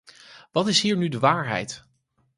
Wat is hier nu de waarheid?